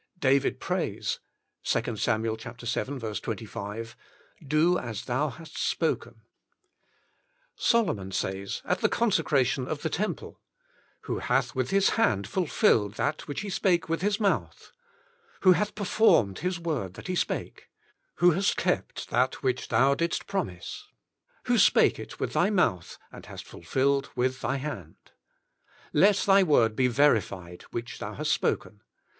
David prays (2 Samuel vii. 25) "Do as Thou hast Spoken." Solomon says at the consecration of the temple — "Who hath with His hand Ful filled that which He Spake with His Mouth"; "who hath Performed His word that He Spake"; "who hast Kjept that which Thou didst Promise; "who Spake It with Thy mouth, and hast fulfilled with Thy hand"; "let Thy word be verified, which Thou hast spoken."